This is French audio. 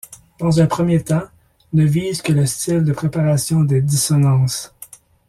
Dans un premier temps, ' ne vise que le style de préparation des dissonances.